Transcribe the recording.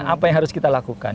apa yang harus kita lakukan